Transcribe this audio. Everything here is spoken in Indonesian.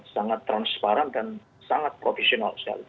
sangat transparan dan sangat profesional sekali